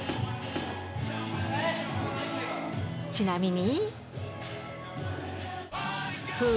ちなみに。